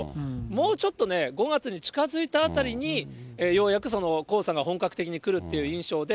もうちょっとね、５月に近づいたあたりに、ようやく黄砂が本格的に来るっていう印象で、